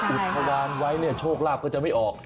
อุทยานไว้เนี่ยโชคลาภก็จะไม่ออก